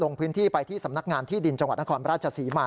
ลงพื้นที่ไปที่สำนักงานที่ดินจังหวัดนครราชศรีมา